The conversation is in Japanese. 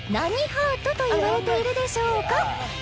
ハートといわれているでしょうか